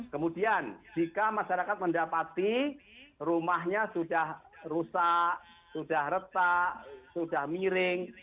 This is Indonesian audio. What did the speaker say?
kemudian jika masyarakat mendapati rumahnya sudah rusak sudah retak sudah miring